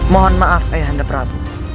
mohon maaf ayanda prabu